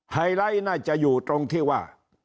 ไฮไลท์น่าจะอยู่ตรงที่ว่า